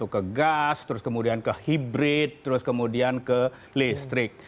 ke gas terus kemudian ke hibrid terus kemudian ke listrik